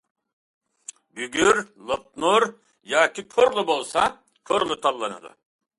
بۈگۈر، لوپنۇر ياكى كورلا بولسا كورلا تاللىنىدۇ.